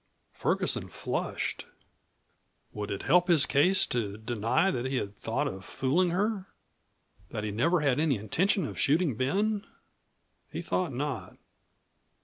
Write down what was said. Ferguson flushed. Would it help his case to deny that he had thought of fooling her, that he never had any intention of shooting Ben? He thought not.